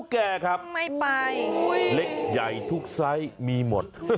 เล็กใหญ่ทุกไซส์มีหมด